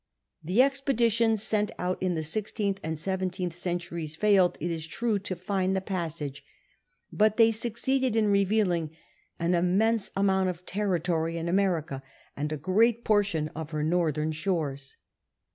Tlie exi)editions sent out in the sixteenth and seven teenth centuries failed, it is tnie, to find the passage ; but they succeeded in revealing an immense amount of territory in America and a great portion of her northern shores.